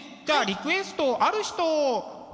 じゃあリクエストある人？